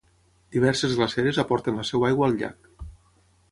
Diverses glaceres aporten la seva aigua al llac.